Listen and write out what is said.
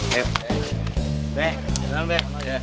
be jalan be